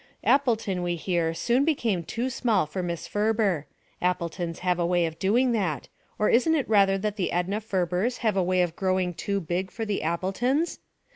Appleton, we hear, soon became too small for Miss Ferber. Appletons have a way of doing that, or isn't it rather that the Edna Ferbers have a way of growing too big for the Appletons?